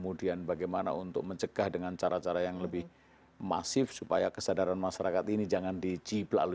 kemudian bagaimana untuk mencegah dengan cara cara yang lebih masif supaya kesadaran masyarakat ini jangan diciplalui